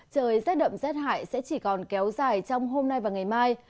trời rét đậm rét hại sẽ chỉ còn kéo dài trong hôm nay và ngày mai